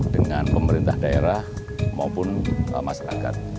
dengan pemerintah daerah maupun masyarakat